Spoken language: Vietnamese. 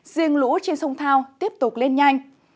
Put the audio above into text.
riêng lũ trên sông thao tiếp tục lên nhanh